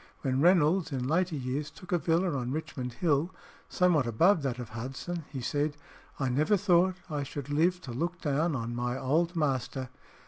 When Reynolds in later years took a villa on Richmond Hill, somewhat above that of Hudson, he said, "I never thought I should live to look down on my old master."